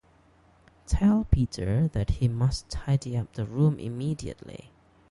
Tell Peter that he must tidy up the room immediately.